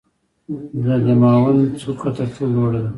د دماوند څوکه تر ټولو لوړه ده.